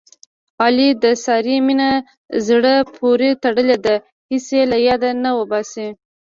علي د سارې مینه زړه پورې تړلې ده. هېڅ یې له یاده نه اوباسي.